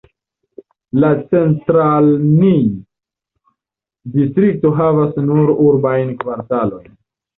La "Centralnij"-distrikto havas nur la urbajn kvartalojn.